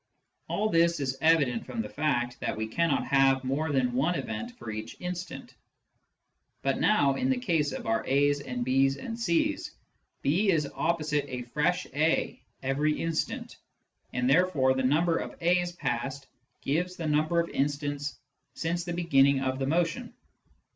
All this is evident from the fact that we cannot have more than one event for each instant. But now, in the case of our A's and B's and C's, B is opposite a fresh A every instant, and therefore the number of A's passed gives the number of instants since the beginning of the motion.